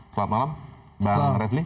selamat malam bang refli